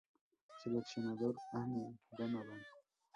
Seleccionador: Anne Donovan.